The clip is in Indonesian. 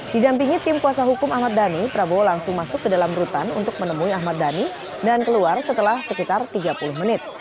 didampingi tim kuasa hukum ahmad dhani prabowo langsung masuk ke dalam rutan untuk menemui ahmad dhani dan keluar setelah sekitar tiga puluh menit